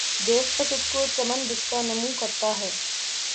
دیکھ کر تجھ کو ، چمن بسکہ نُمو کرتا ہے